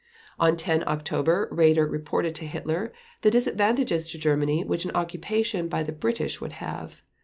On 10 October Raeder reported to Hitler the disadvantages to Germany which an occupation by the British would have.